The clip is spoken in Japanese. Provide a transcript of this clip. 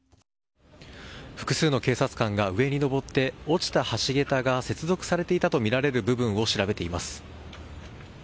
複数の警察官が上に上って落ちた橋桁が接続されていたとみられる部分を調べています。